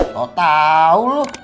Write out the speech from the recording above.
kau tau lu